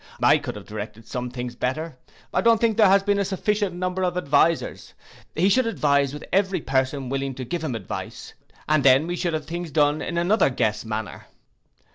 I could have directed some things better. I don't think there has been a sufficient number of advisers: he should advise with every person willing to give him advice, and then we should have things done in anotherguess manner.